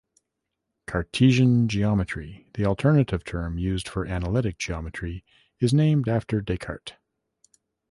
"Cartesian geometry", the alternative term used for analytic geometry, is named after Descartes.